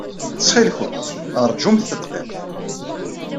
Ttxil-went, ṛjumt tadqiqt.